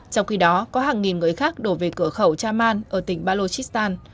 trong khi đó có hàng nghìn người khác đổ về cửa khẩu chaman ở tỉnh balochistan